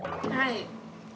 はい。